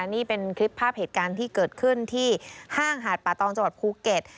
นี่เป็นคลิปภาพเหตุการณ์ที่เกิดขึ้นที่ห้างหาดป่าตองจังหวัดภูเก็ต